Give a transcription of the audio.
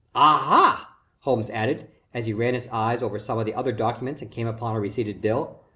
Aha!" Holmes added, as he ran his eye over some of the other documents and came upon a receipted bill.